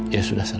ya sudah sana